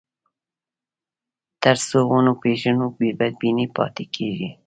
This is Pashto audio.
تر څو ونه پېژنو، بدبیني پاتې کېږي.